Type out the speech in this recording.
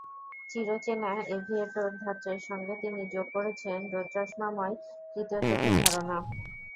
চিরচেনা এভিয়েটর ধাঁচের সঙ্গে তিনি যোগ করেছেন রোদচশমায় তৃতীয় চোখের ধারণা।